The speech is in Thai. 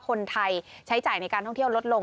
คนไทยใช้จ่ายในการท่องเที่ยวลดลง